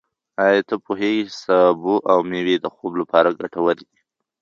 ایا ته پوهېږې چې سبو او مېوې د خوب لپاره ګټور دي؟